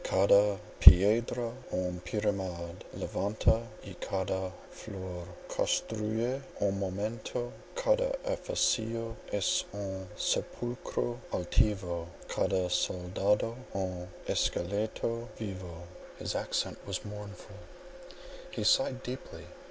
Cada piedra un piramide levanta, y cada flor costruye un monumento, cada edificio es un sepulcro altivo, cada soldado un esqueleto vivo." His accent was mournful,—he sighed deeply.